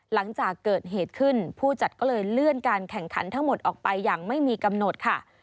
หลังจากเกิดเหตุขึ้นผู้จัดก็เลยเลื่อนการแข่งขันทั้งหมดออกไปอย่างไม่มีกำหนดค่ะ